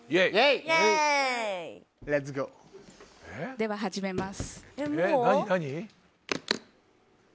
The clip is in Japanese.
では始めます。